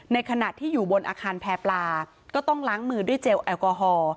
ในขณะที่อยู่บนอาคารแพร่ปลาก็ต้องล้างมือด้วยเจลแอลกอฮอล์